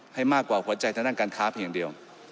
ให้มากกว่าหัวใจทางด้านการค้าเพียงอย่างเดียว